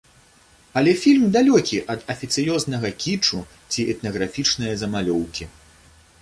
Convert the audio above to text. Але фільм далёкі ад афіцыёзнага кічу ці этнаграфічнае замалёўкі.